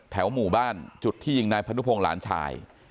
หมู่บ้านจุดที่ยิงนายพนุพงศ์หลานชาย